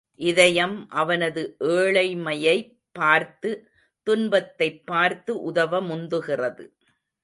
இதயம் அவனது ஏழைமையைப் பார்த்து துன்பத்தைப் பார்த்து உதவ முந்துகிறது.